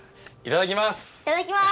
いただきます！